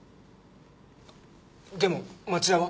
でも町田は？